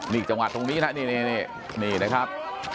นี่จังหวะตรงนี้นะนี่นะครับ